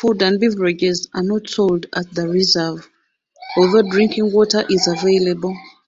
Food and beverages are not sold at the reserve, although drinking water is available.